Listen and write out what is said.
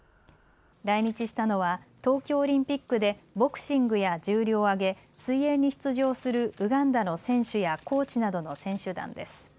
来日したのは東京オリンピックでボクシングや重量挙げ、水泳に出場するウガンダの選手やコーチなどの選手団です。